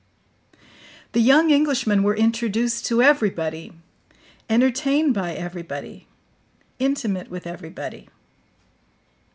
The young Englishmen were introduced to everybody, entertained by everybody, intimate with everybody.